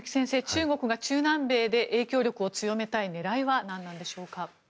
中国が中南米で影響力を強めたい狙いは何なんでしょうか。